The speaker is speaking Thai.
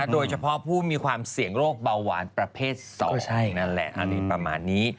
โดยเฉพาะผู้มีความเสี่ยงโรคเบาหวานประเภท๒นั่นแหละอะไรประมาณนี้